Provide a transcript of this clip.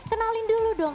kenalin dulu dong